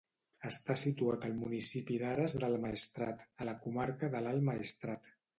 Està situat al municipi d'Ares del Maestrat, a la comarca de l'Alt Maestrat.